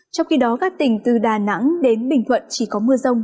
trong khi đó các tỉnh từ đà nẵng đến bình thuận chỉ có mưa rông